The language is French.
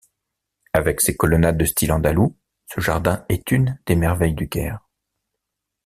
Avec ses colonnades de style andalou, ce jardin est une des merveilles du Caire.